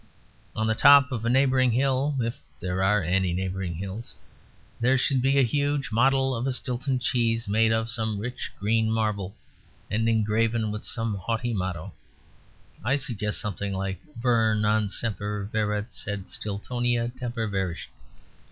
On the top of a neighbouring hill (if there are any neighbouring hills) there should be a huge model of a Stilton cheese, made of some rich green marble and engraven with some haughty motto: I suggest something like 'Ver non semper viret; sed Stiltonia semper virescit.'"